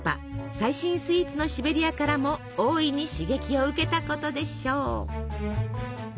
最新スイーツのシベリアからも大いに刺激を受けたことでしょう。